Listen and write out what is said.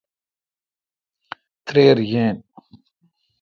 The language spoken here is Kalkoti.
تریر یین۔